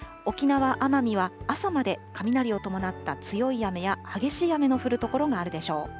沖縄、奄美は朝まで雷を伴った強い雨や激しい雨が降る所があるでしょう。